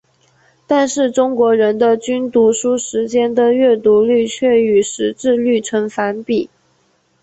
但是中国的人均读书时间的阅读率却与识字率呈反比。